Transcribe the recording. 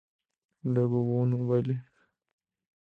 Luego hubo un baile.